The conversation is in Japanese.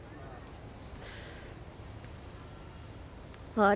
あれ？